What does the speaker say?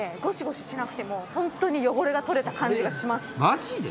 マジで？